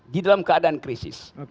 di dalam keadaan krisis